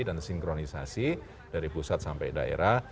sinkronisasi dari pusat sampai daerah